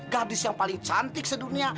gadis yang paling cantik sedunia